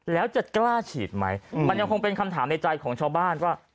แล้วจะกล้าฉีดไหมมันยังคงเป็นคำถามในใจของชาวบ้านว่า